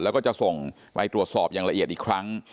แล้วก็จะส่งไปตรวจสอบอย่างละเอียดอีกครั้ง